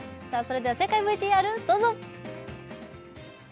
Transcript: それでは正解ＶＴＲどうぞ！